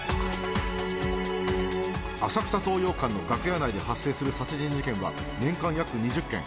浅草東洋館の楽屋内で発生する殺人事件は年間約２０件